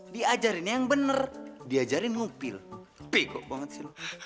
diajarin yang bener diajarin ngumpil bego banget sih lo